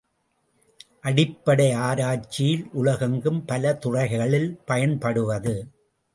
அடிப்படை ஆராய்ச்சியில் உலகெங்கும் பல துறைகளில் பயன்படுவது.